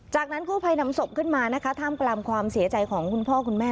จากนั้นกู้ภัยนำศพขึ้นมานะคะท่ามกลางความเสียใจของคุณพ่อคุณแม่